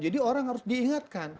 jadi orang harus diingatkan